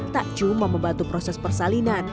tak cuma membantu proses persalinan